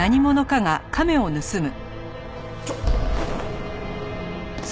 ちょっと！